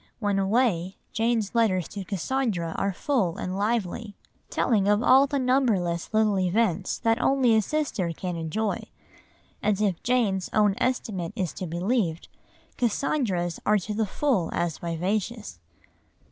When away, Jane's letters to Cassandra are full and lively, telling of all the numberless little events that only a sister can enjoy. And if Jane's own estimate is to be believed, Cassandra's are to the full as vivacious.